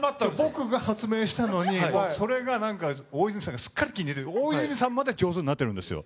僕が発明したのにそれが大泉さんがすっかり気に入って大泉さんまで上手になってるんですよ